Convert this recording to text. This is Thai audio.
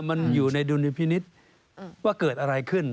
มันอยู่ในดุลพินิษฐ์ว่าเกิดอะไรขึ้น